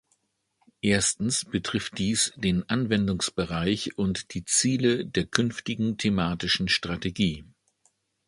Erstens betrifft dies den Anwendungsbereich und die Ziele der künftigen thematischen Strategie.